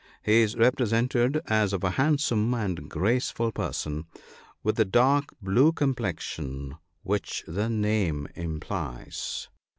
He is represented as of a handsome and graceful person, with the dark blue complexion which the name implies.